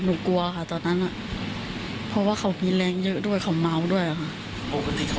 กลัวค่ะตอนนั้นเพราะว่าเขามีแรงเยอะด้วยเขาเมาด้วยค่ะ